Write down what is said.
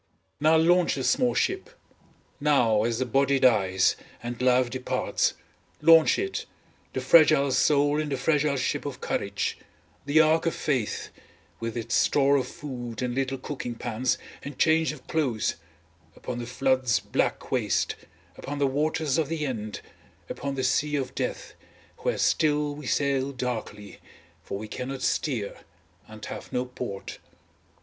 Now launch the small ship, now as the body dies and life departs, launch out, the fragile soul in the fragile ship of courage, the ark of faith with its store of food and little cooking pans and change of clothes, upon the flood's black waste upon the waters of the end upon the sea of death, where still we sail darkly, for we cannot steer, and have no port.